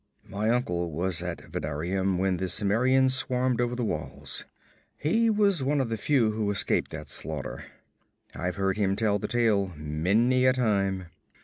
'My uncle was at Venarium when the Cimmerians swarmed over the walls. He was one of the few who escaped that slaughter. I've heard him tell the tale, many a time.